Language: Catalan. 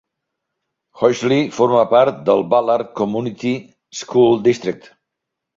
Huxley forma part del Ballard Community School District.